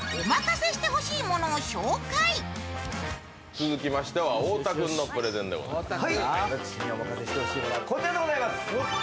続きましては太田君のプレゼンです。